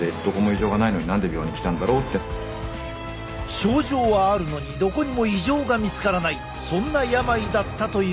症状はあるのにどこにも異常が見つからないそんな病だったというのだ。